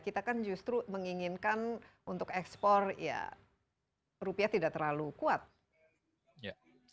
kita kan justru menginginkan untuk ekspor ya rupiah tidak terlalu kuat